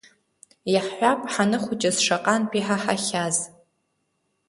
Иаҳҳәап, ҳаныхәыҷыз шаҟантә иҳаҳахьаз…